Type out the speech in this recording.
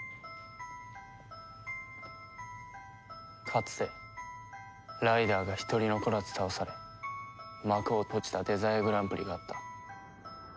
かつてライダーが一人残らず倒され幕を閉じたデザイアグランプリがあった。